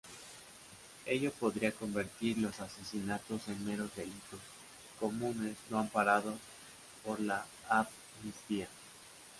Ello podría convertir los asesinatos en meros delitos comunes no amparados por la amnistía.